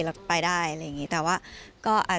เราก็แค่ต้องอดทนไปเรื่อย